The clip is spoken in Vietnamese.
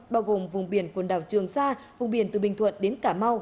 bao gồm vùng biển quần đảo trường sa vùng biển từ bình thuận đến cà mau